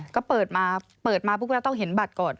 ก็เปิดมาพวกเราต้องเห็นบัตรก่อน